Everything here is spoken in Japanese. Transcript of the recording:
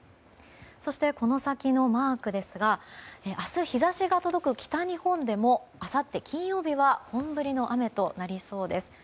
そして、この先のマークですが明日、日差しが届く北日本でもあさって金曜日は本降りの雨となりそうです。